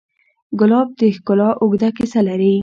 ګلاب د ښکلا اوږده کیسه لري.